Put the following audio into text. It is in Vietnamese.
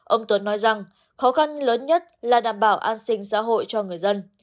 ông tuấn nói rằng khó khăn lớn nhất là đảm bảo an sinh xã hội cho người dân